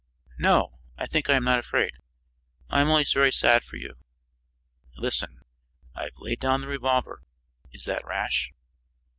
"No, I think I am not afraid. I am only very sad for you. Listen: I have laid down the revolver. Is that rash?"